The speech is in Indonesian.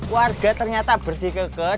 warga ternyata bersih kekeh